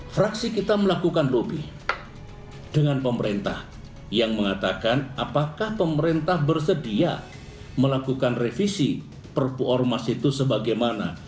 fraksi kita melakukan lobby dengan pemerintah yang mengatakan apakah pemerintah bersedia melakukan revisi perpu ormas itu sebagaimana